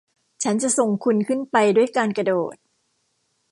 ฉันจะส่งคุณขึ้นไปด้วยการกระโดด